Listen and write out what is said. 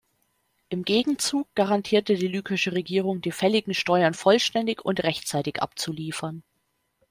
Im Gegenzug garantierte die lykische Regierung, die fälligen Steuern vollständig und rechtzeitig abzuliefern.